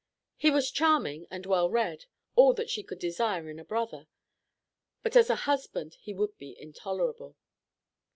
He was charming and well read, all that she could desire in a brother, but as a husband he would be intolerable.